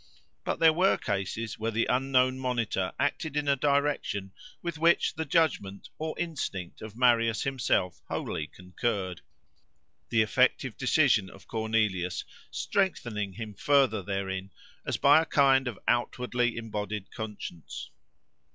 But there were cases where the unknown monitor acted in a direction with which the judgment, or instinct, of Marius himself wholly concurred; the effective decision of Cornelius strengthening him further therein, as by a kind of outwardly embodied conscience.